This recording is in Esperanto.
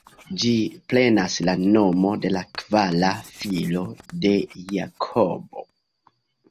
Ĝi prenas la nomo de la kvara filo de Jakobo.